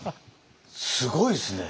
すごいですね。